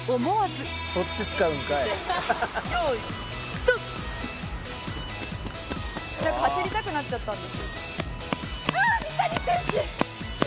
「なんか走りたくなっちゃったんです」